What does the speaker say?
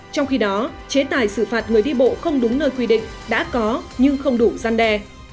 trong khi đó chế tài xử phạt người đi bộ không đúng nơi quy định đã có nhưng không đủ gian đe